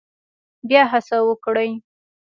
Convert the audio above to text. بیا هڅه وکړئ